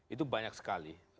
itu banyak sekali